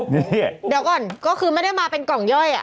เดี๋ยวก่อนก็คือไม่ได้มาเป็นกล่องย่อย